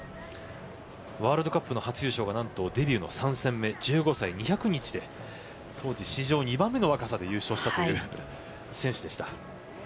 ワールドカップの初優勝がなんとデビューの３戦目１５歳２００日で当時、史上２番目の若さで優勝したという選手でした。